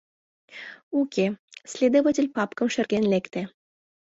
— Уке, — следователь папкым шерген лекте.